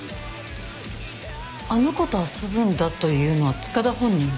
「あの子と遊ぶんだ」というのは塚田本人。